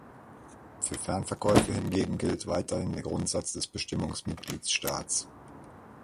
Für Fernverkäufe hingegen gilt weiterhin der Grundsatz des Bestimmungsmitgliedstaats.